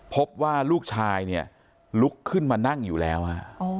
พบว่าลูกชายเนี่ยลุกขึ้นมานั่งอยู่แล้วฮะ